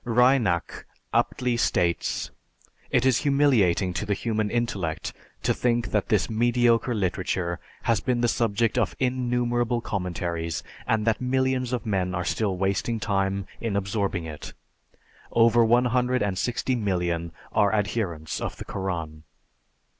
Reinach aptly states, "It is humiliating to the human intellect to think that this mediocre literature has been the subject of innumerable commentaries and that millions of men are still wasting time in absorbing it." Over one hundred and sixty million are adherents of the Koran.